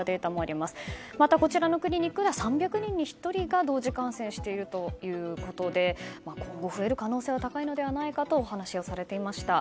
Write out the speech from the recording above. またこちらのクリニックでは３００人に１人が同時感染しているとして今後増える可能性が高いのではないかとお話しされていました。